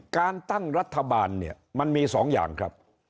การตั้งรัฐบาลเนี่ยมันมี๒อย่างครับ